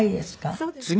そうです。